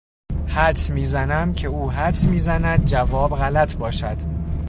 حدس میزنم که او حدس میزند جواب غلط باشد